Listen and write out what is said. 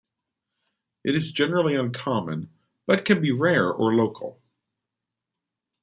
It is generally uncommon but can be rare or local.